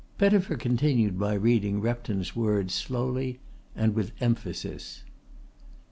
Pettifer continued by reading Repton's words slowly and with emphasis.